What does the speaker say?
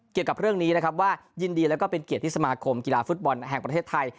เกี่ยวกับเรื่องนี้นะครับว่ายินดีแล้วก็เป็นเกียรติที่สมาคมกีฬาฟุตบอลแห่งประเทศไทย